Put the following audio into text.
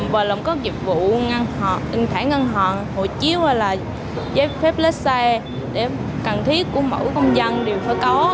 và làm có dịch vụ ngăn họa tình thản ngăn họa hộ chiếu hay là giấy phép lấy xe để cần thiết của mẫu công dân đều phải có